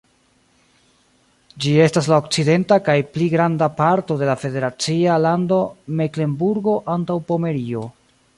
Ĝi estas la okcidenta kaj pli granda parto de la federacia lando Meklenburgo-Antaŭpomerio.